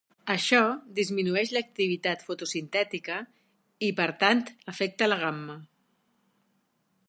Això disminueix l'activitat fotosintètica i per tant afecta la gamma.